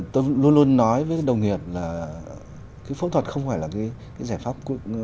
tôi luôn luôn nói với đồng nghiệp là cái phẫu thuật không phải là cái giải pháp duy nhất